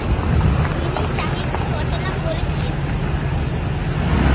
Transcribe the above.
তিনি সাহিত্য রচনা করেছিলেন।